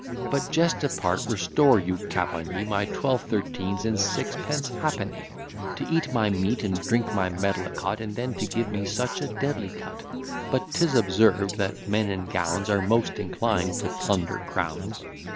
But, jest apart, restore, you capon ye, My twelve thirteens and sixpence ha'penny To eat my meat and drink my medlicot, And then to give me such a deadly cut But 'tis observed, that men in gowns Are most inclined to plunder crowns.